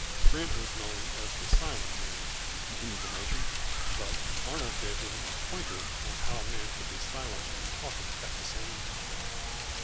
Grant was known as the silent man," continued the major; "but Arnold gave him a pointer on how a man could be silent and talking at the same time."